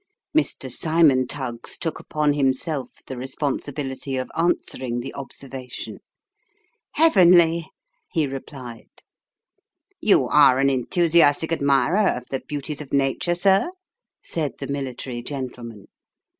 Mr. Cymon Tuggs took upon himself the responsibility of answering the observation. " Heavenly !" he replied. " You are an enthusiastic admirer of the beauties of Nature, sir '?" said the military gentleman.